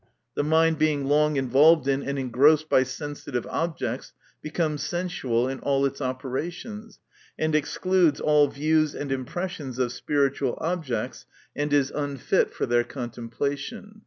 The mind being long involved in, and engrossed by sensitive objects, becomes sensual in all its operations, and excludes all views and impressions of spiritual objects, and is unfit for their contemplation.